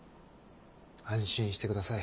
安心してください。